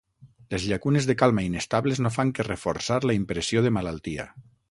Les llacunes de calma inestables no fan que reforçar la impressió de malaltia.